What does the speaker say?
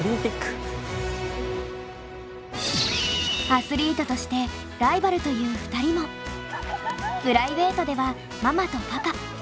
アスリートとしてライバルという２人もプライベートではママとパパ。